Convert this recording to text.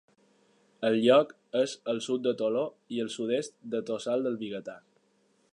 El lloc és al sud de Toló i al sud-est del Tossal del Vigatà.